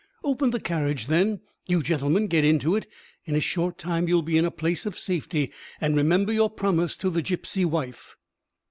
"Open the carriage, then. You, gentlemen, get into it; in a short time you'll be in a place of safety, and remember your promise to the gipsy wife."